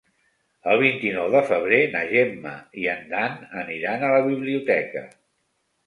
El vint-i-nou de febrer na Gemma i en Dan aniran a la biblioteca.